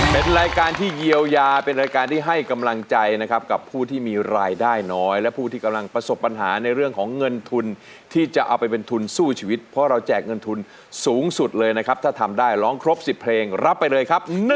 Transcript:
เป็นรายการที่เยียวยาเป็นรายการที่ให้กำลังใจนะครับกับผู้ที่มีรายได้น้อยและผู้ที่กำลังประสบปัญหาในเรื่องของเงินทุนที่จะเอาไปเป็นทุนสู้ชีวิตเพราะเราแจกเงินทุนสูงสุดเลยนะครับถ้าทำได้ร้องครบ๑๐เพลงรับไปเลยครับ